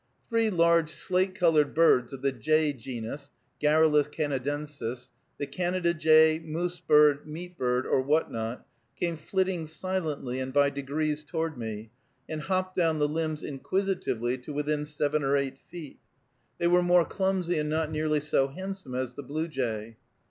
Three large slate colored birds of the jay genus (Garrulus Canadensis), the Canada jay, moose bird, meat bird, or what not, came flitting silently and by degrees toward me, and hopped down the limbs inquisitively to within seven or eight feet. They were more clumsy and not nearly so handsome as the bluejay.